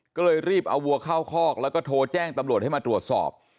ก็เลยรีบเอาวัวเข้าคอกแล้วก็โทรแจ้งตำรวจให้มาตรวจสอบ